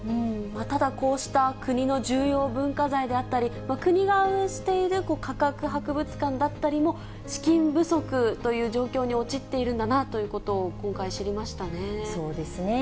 ただ、こうした国の重要文化財であったり、国が運営している科学博物館だったりも、資金不足という状況に陥っているんだなということを今回、知りまそうですね。